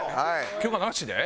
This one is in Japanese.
許可なしで？